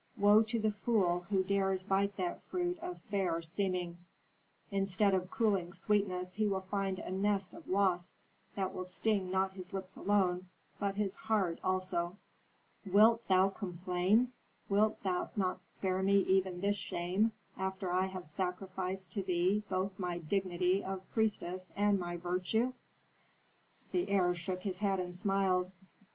Woe to the fool who dares bite that fruit of fair seeming; instead of cooling sweetness he will find a nest of wasps that will sting not his lips alone, but his heart also." "Wilt thou complain? Wilt thou not spare me even this shame after I have sacrificed to thee both my dignity of priestess and my virtue?" The heir shook his head and smiled.